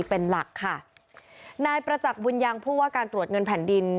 เป็นหลักค่ะนายประจักษ์บุญยังผู้ว่าการตรวจเงินแผ่นดิน